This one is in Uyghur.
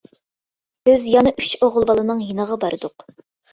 بىز يەنە ئۈچ ئوغۇل بالىنىڭ يېنىغا باردۇق.